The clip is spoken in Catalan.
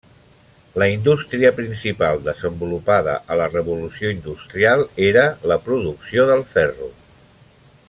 La indústria principal desenvolupada a la revolució industrial era la producció del ferro.